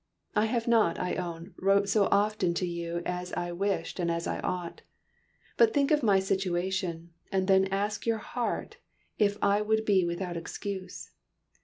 "I have not, I own, wrote so often to you as I wished and as I ought. "But think of my situation, and then ask your heart if I be without excuse?